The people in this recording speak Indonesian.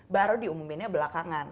baru diumuminnya belakangan